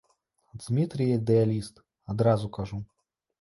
Дзмітрый ідэаліст, адразу кажу.